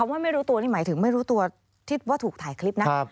หมายถึงไม่รู้ตัวที่ว่าถูกถ่ายคลิปนะ